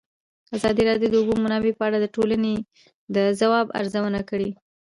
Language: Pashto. ازادي راډیو د د اوبو منابع په اړه د ټولنې د ځواب ارزونه کړې.